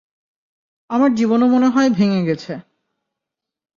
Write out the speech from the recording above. আমার জীবনও মনে হয় ভেঙে গেছে!